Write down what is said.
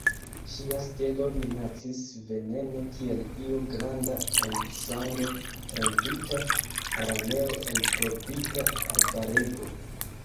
Ŝia stelo minacis venene kiel iu granda en sango trempita araneo el tropika arbarego.